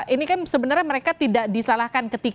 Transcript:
ini kan sebenarnya mereka tidak disalahkan